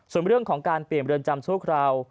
ส่วนเรื่องของการเปลี่ยนบริเวณจำทุกคราว